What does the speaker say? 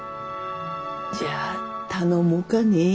じゃあ頼もうかね。